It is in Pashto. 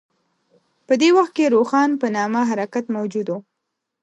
په دې وخت کې روښان په نامه حرکت موجود و.